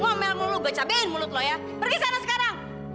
ngomel mulu gue cabaiin mulut lo ya pergi sana sekarang